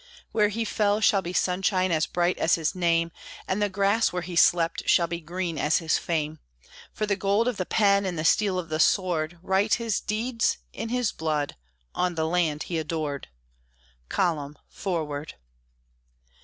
Where he fell shall be sunshine as bright as his name, And the grass where he slept shall be green as his fame; For the gold of the pen and the steel of the sword Write his deeds in his blood on the land he adored "Column! Forward!"